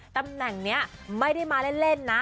ตำแหน่งนี้ไม่ได้มาเล่นนะ